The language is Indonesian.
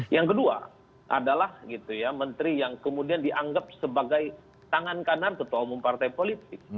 yang kedua adalah menteri yang kemudian dianggap sebagai tangan kanan ketua umum partai politik